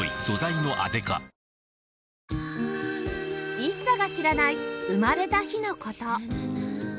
ＩＳＳＡ が知らない生まれた日の事